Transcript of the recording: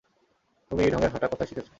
তুমি এই ঢংয়ের হাটা কোথায় শিখেছ?